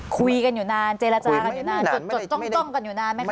คุยกันอยู่นานเจรจากันอยู่นานจดจ้องกันอยู่นานไหมค